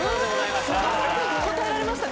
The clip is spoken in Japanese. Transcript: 川君答えられましたね。